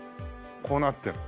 こうなってる。